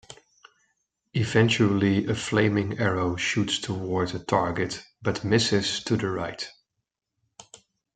Eventually a flaming arrow shoots toward a target, but misses to the right.